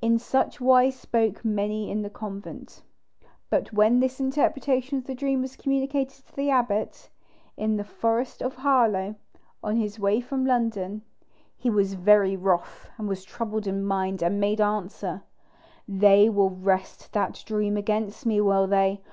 In such wise spoke many in the convent. But when this interpretation of the dream was communicated to the abbot, in the forest of Harlow, on his way from London, he was very wroth, and was troubled in mind, and made answer: "They will wrest that dream against me, will they?